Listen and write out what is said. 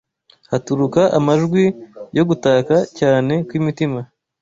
haturuka amajwi yo gutaka cyane kw’imitima